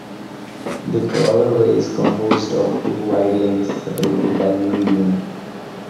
The crawlerway is composed of two wide lanes, separated by a median.